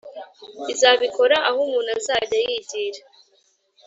izabikora aho umuntu azajya yigira